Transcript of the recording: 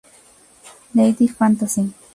Lady Fantasy